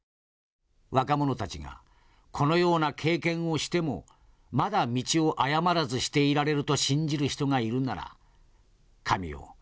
若者たちがこのような経験をしてもまだ道を誤らずしていられると信じる人がいるなら神よ！